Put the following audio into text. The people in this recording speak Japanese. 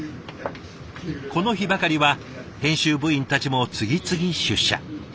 この日ばかりは編集部員たちも次々出社。